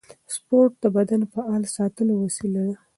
سپورت د بدن فعال ساتلو وسیله ده.